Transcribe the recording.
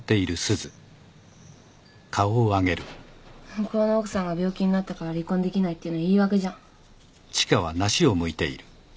向こうの奥さんが病気になったから離婚できないっていうのは言い訳じゃん。